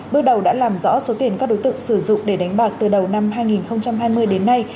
bước đầu đã làm rõ số tiền các đối tượng sử dụng để đánh bạc từ đầu năm hai nghìn hai mươi đến nay